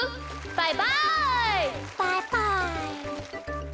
バイバイ。